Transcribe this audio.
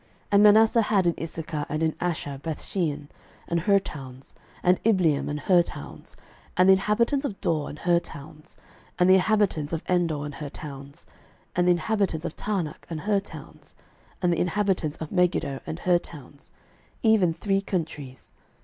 06:017:011 And Manasseh had in Issachar and in Asher Bethshean and her towns, and Ibleam and her towns, and the inhabitants of Dor and her towns, and the inhabitants of Endor and her towns, and the inhabitants of Taanach and her towns, and the inhabitants of Megiddo and her towns, even three countries.